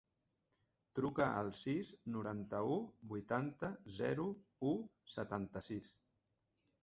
Truca al sis, noranta-u, vuitanta, zero, u, setanta-sis.